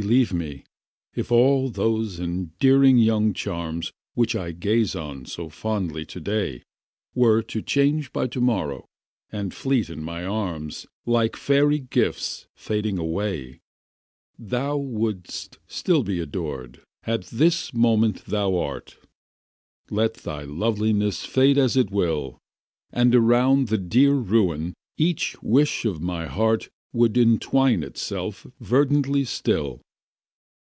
Believe me, if all those endearing young charms, Which I gaze on so fondly today, Were to change by to morrow, and fleet in my arms, Like fairy gifts fading away, Thou wouldst still be adored, as this moment thou art. Let thy loveliness fade as it will. And around the dear ruin each wish of my heart Would entwine itself verdantly still.